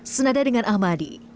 senada dengan ahmadi